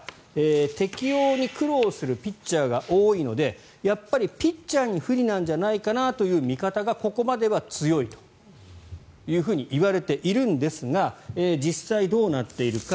適応に苦労するピッチャーが多いのでやっぱりピッチャーに不利なんじゃないかなという見方がここまでは強いといわれているんですが実際、どうなっているか。